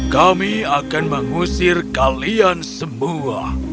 kami akan mengusir kalian semua